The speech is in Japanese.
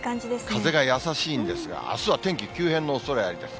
風が優しいんですが、あすは天気、急変のおそれありです。